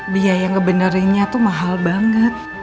biaya yang ngebenerinnya tuh mahal banget